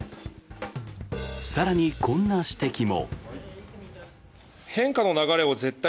更に、こんな指摘も。